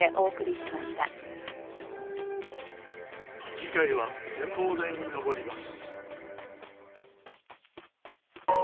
次回は展望台に上ります。